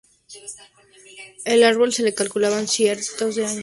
Al árbol se le calculaban cientos de años.